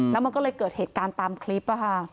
แล้วมันก็เลยเกิดเหตุการณ์ตามคลิป